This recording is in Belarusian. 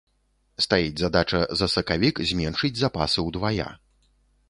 Стаіць задача за сакавік зменшыць запасы ўдвая.